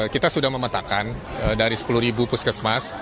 kita sudah memetakan dari sepuluh puskesmas